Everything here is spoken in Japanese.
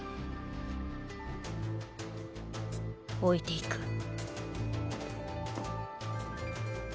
置いていく。